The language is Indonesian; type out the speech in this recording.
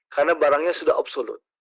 karena barangnya sudah absolut